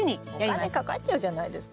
お金かかっちゃうじゃないですか。